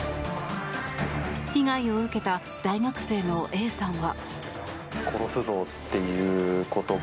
被害を受けた大学生のＡさんは。